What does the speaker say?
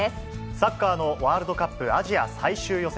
サッカーのワールドカップアジア最終予選。